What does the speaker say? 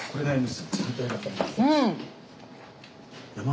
うん。